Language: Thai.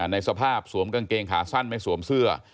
ในสภาพสวมกางเกงขาสั้นไม่สวมเสื้อ